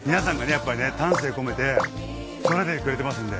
やっぱりね丹精込めて育ててくれてますんで。